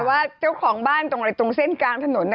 แต่ว่าเจ้าของบ้านตรง่นกลางถนน